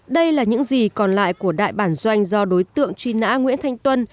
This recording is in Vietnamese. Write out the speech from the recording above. đây là những gì còn lại của đại bản doanh do đối tượng truy nã nguyễn thanh tuân